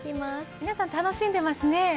皆さん楽しんでいますね。